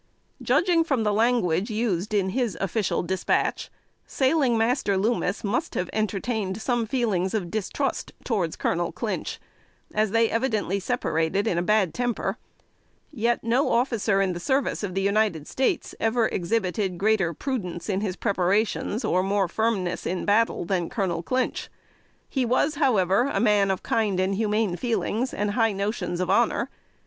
Judging from the language used in his official dispatch, Sailing Master Loomis must have entertained some feelings of distrust towards Colonel Clinch, as they evidently separated in bad temper: yet no officer in the service of the United States ever exhibited greater prudence in his preparations, or more firmness in battle, than Colonel Clinch. He was, however, a man of kind and humane feelings, and high notions of honor.